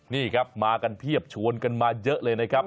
นี่ครับมากันเพียบชวนกันมาเยอะเลยนะครับ